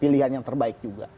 dan yang terbaik juga